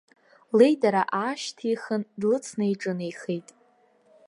Леидара аашьҭихын, длыцны иҿынеихеит.